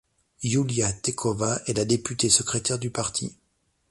Yulia Tekhova est la député secrétaire du parti.